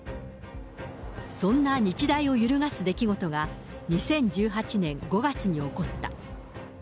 そんな日大を揺るがす出来事が２０１８年５月に起こった。